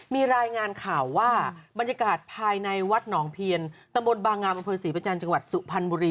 มีรายงานข่าวว่าบรรยากาศภายในวัดหนองเพียนตำบลบางงามอำเภอศรีประจันทร์จังหวัดสุพรรณบุรี